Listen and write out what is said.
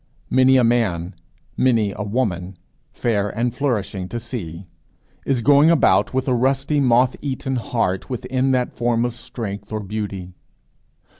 Many a man, many a woman, fair and flourishing to see, is going about with a rusty moth eaten heart within that form of strength or beauty.